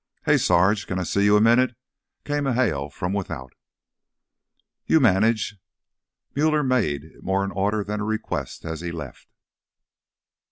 "Hey, Sarge, can I see you a minute?" came a hail from without. "You manage." Muller made it more order than request as he left.